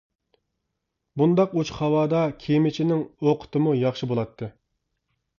بۇنداق ئوچۇق ھاۋادا كېمىچىنىڭ ئوقىتىمۇ ياخشى بولاتتى.